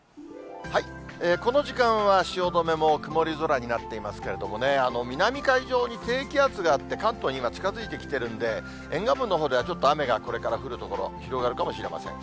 この時間は汐留も曇り空になっていますけれどもね、南海上に低気圧があって、関東に今、近づいてきてるんで、沿岸部のほうではちょっと雨がこれから降る所、広がるかもしれません。